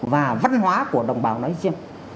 và văn hóa của đồng bào nói riêng